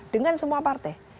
dengan semua partai